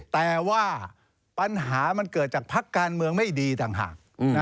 แต่ว่าปัญหามันเกิดจากพักการเมืองไม่ดีต่างหาก